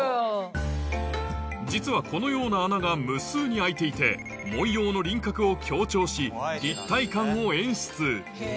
実はこのような穴が無数に開いていて文様の輪郭を強調し立体感を演出